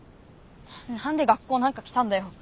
何で学校なんか来たんだよ。